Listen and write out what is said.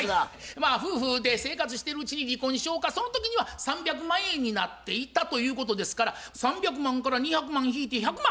まあ夫婦で生活してるうちに離婚しようかその時には３００万円になっていたということですから３００万から２００万引いて１００万。